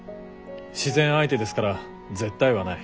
自然相手ですから絶対はない。